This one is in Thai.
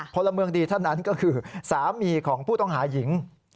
พลเมืองดีท่านนั้นก็คือสามีของผู้ต้องหาหญิง